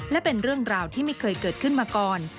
และเป็นเรื่องราวที่ไม่เคยเกิดขึ้นมาก่อน